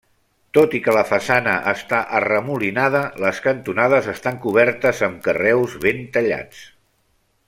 Tot i que la façana està arremolinada, les cantonades estan cobertes amb carreus ben tallats.